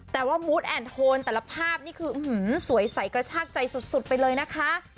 แต่ว่ามูธแอนดโทนแต่ละภาพนี่คือสวยใสกระชากใจสุดไปเลยนะคะ